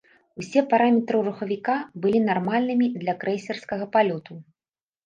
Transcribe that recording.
Усе параметры рухавіка былі нармальнымі для крэйсерскага палёту.